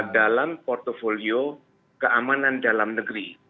dalam portfolio keamanan dalam negeri